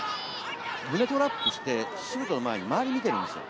胸トラップしてシュートの前に周りを見てるんですよ。